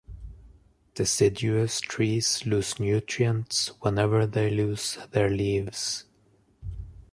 Deciduous trees lose nutrients whenever they lose their leaves.